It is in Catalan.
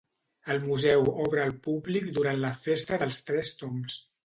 El museu obre al públic durant la festa dels tres tombs.